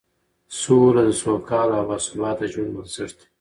سوله د سوکاله او باثباته ژوند بنسټ دی